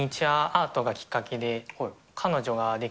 アートがきっかけえー。